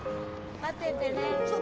待っててね。